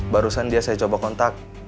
barusan dia saya coba kontak